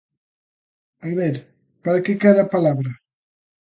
A ver, ¿para que quere a palabra?